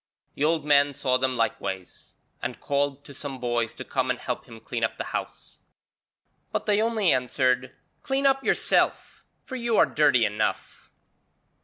The old man saw them likewise, and called to some boys to come and help him clean up the house. But they only answered, 'Clean up yourself, for you are dirty enough.'